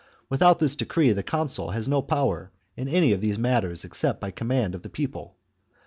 Without this decree the consul has no powers in any of these matters except by command of the people.